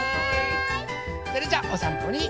それじゃあおさんぽに。